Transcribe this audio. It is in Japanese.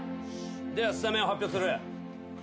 ではスタメンを発表する。